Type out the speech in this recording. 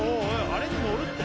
あれに乗るって？